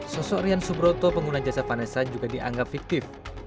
sosok rian subroto pengguna jasa vanessa juga dianggap fiktif